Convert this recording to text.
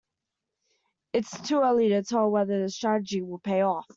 It's too early to tell whether the strategy will pay off.